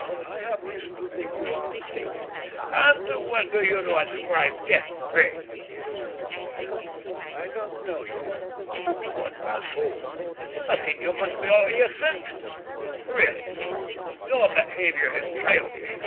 "I have reason to think you are mistaken." "And to what do you ascribe death, pray?" asked the doctor. "I don't know yet." "Upon my soul, I think you must be out of your senses. Really, sir, your behaviour is childish.